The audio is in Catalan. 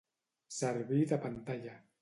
Servir de pantalla.